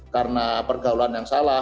karena pergaulan yang salah